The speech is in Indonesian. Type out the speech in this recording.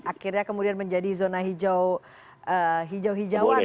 akhirnya kemudian menjadi zona hijau hijauan